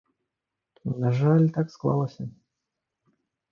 На жаль, так склалася.